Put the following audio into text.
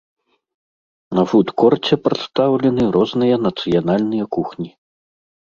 На фуд-корце прадстаўлены розныя нацыянальныя кухні.